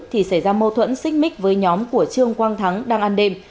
thì xảy ra mâu thuẫn xích mích với nhóm của trương quang thắng đang an đêm